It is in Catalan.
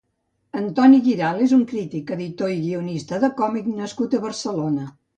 Antoni Guiral és un crític, editor i guionista de còmic nascut a Barcelona.